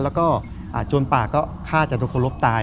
แล้วก็โจรป่าก็ฆ่าจันทกลบตาย